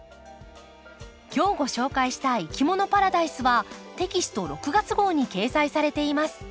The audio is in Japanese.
今日ご紹介した「いきものパラダイス」はテキスト６月号に掲載されています。